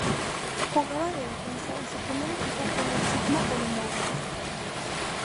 Jugaba de defensa y su primer equipo fue el Sigma Olomouc.